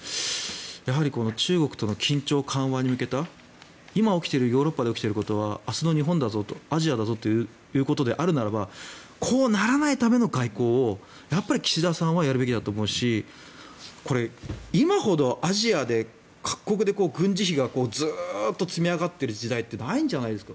やはり中国との緊張緩和に向けた今起きているヨーロッパで起きていることは明日の日本だぞアジアだぞということであるならばこうならないための外交をやっぱり岸田さんはやるべきだと思うし今ほどアジアで各国で軍事費がずっと積み上がっている時代ってないんじゃないですか？